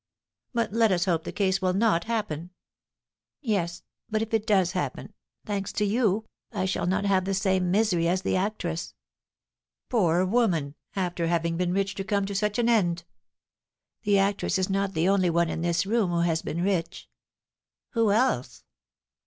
"But let us hope the case will not happen!" "Yes; but if it does happen thanks to you, I shall not have the same misery as the actress." "Poor woman! After having been rich to come to such an end!" "The actress is not the only one in this room who has been rich." "Who else?"